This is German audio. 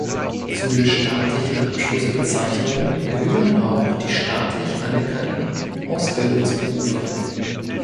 Zu den staatlichen Abschlussbezeichnungen gehören auch die staatlich anerkannten Ausbildungsberufe.